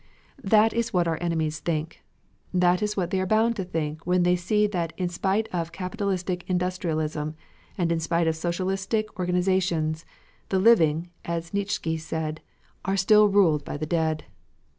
That is what our enemies think; that is what they are bound to think when they see that in spite of capitalistic industrialism, and in spite of socialistic organizations, the living, as Nietzsche said, are still ruled by the dead.